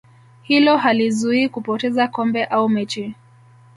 hilo halizuii kupoteza kombe au mechi